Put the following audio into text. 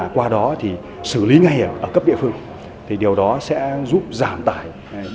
qua đó xử lý ngay ở cấp địa phương điều đó sẽ giúp giảm tải